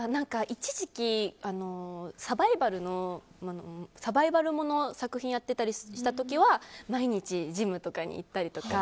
一時期サバイバルものの作品をやってたりした時は毎日ジムとかに行ったりとか。